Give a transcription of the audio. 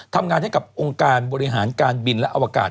ทำงานให้กับองค์การบริหารการบินและอวกาศ